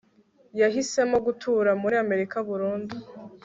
yahisemo gutura muri amerika burundu